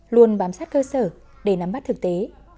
luôn bám sát cơ sở để nắm bắt thực tế